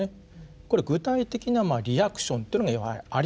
これ具体的なリアクションっていうのがあります。